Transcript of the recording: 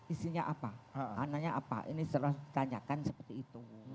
isinya apa anaknya apa ini selalu ditanyakan seperti itu